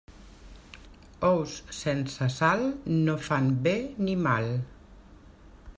Ous sense sal no fan bé ni mal.